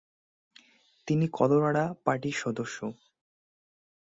তিনি কলোরাডো পার্টির সদস্য।